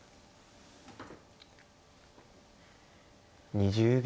２０秒。